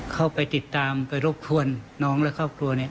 เข้าไปติดตามไปรบกวนน้องและครอบครัวเนี่ย